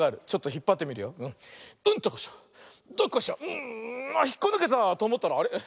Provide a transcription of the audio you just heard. うん。あっひっこぬけた！とおもったらあれ？